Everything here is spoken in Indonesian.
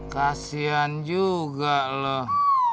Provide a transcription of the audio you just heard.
kasian juga loh